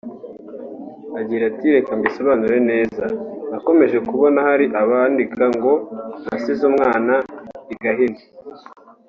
Agira ati “Reka mbisobanure neza…nakomeje kubona hari abandika ngo nasize umwana i Gahini